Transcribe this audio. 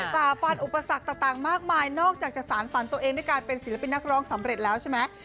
ต่าฝันอุปสรรคต่างมากมายนอกจากสารฝันตัวเองที่เป็นศิลปินักร้องสำเร็จแล้วใช่มั้ย